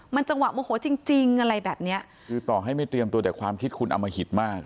มันจังหวะโมโหจริงจริงอะไรแบบเนี้ยคือต่อให้ไม่เตรียมตัวแต่ความคิดคุณอมหิตมาก